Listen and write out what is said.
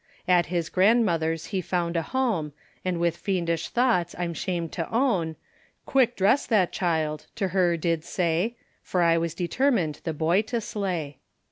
At his grandmother's he found a home, And with fiendish thoughts I'm asham'd to own; Quick dress that child, to her did say, For I was determined the boy to slay.